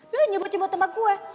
lo nyebut nyebut sama gue